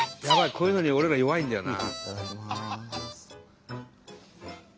こういうのに俺ら弱いんだよな。